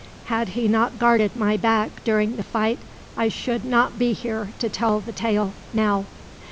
Had he not guarded my back during the fight, I should not be here to tell the tale, now."